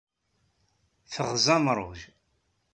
Teɣza amruj.